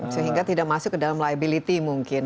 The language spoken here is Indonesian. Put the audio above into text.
sehingga tidak masuk ke dalam liability mungkin